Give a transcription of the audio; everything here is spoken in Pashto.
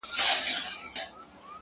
څه لېونۍ شاني گناه مي په سجده کي وکړه!